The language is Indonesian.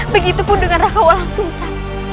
begitupun dengan rakaulah langsung sah